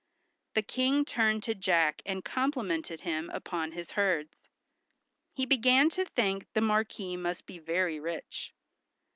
The King turned to Jack, and complimented him upon his herds. He began to think the Marquis must be very rich.